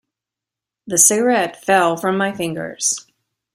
The cigarette fell from my fingers.